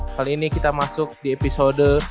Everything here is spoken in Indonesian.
kali ini kita masuk di episode